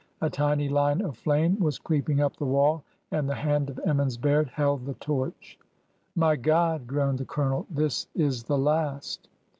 A tiny line of flame was creeping up the wall, and the hand of Emmons Baird held the torch. My God !" groaned the Colonel. This is the last